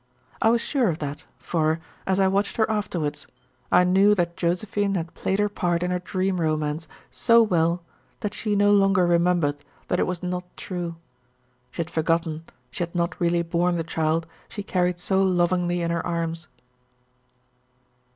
I was sure of that, for, as I watched her afterwards, I knew that Josephine had played her part in her dream romance so well, that she no longer remembered that it was not true. She had forgotten she had not really borne the child she carried so lovingly in her arms.